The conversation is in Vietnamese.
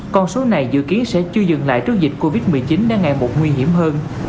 con số này dự kiến sẽ chưa dừng lại trước dịch covid một mươi chín đang ngày một nguy hiểm hơn